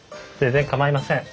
全然構いません。